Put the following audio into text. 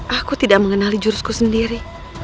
aku tidak mengenali jurusku sendiri